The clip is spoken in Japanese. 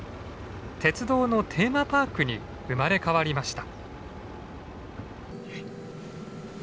鉄道のテーマパークに生まれ変わりました。